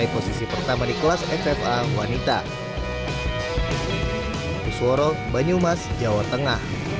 posisi pertama di kelas ffa wanita